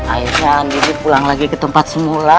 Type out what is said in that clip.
akhirnya andini pulang lagi ke tempat semula